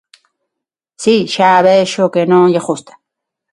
Si, xa vexo que non lle gusta.